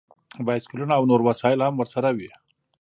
بایسکلونه او نور وسایل هم ورسره وي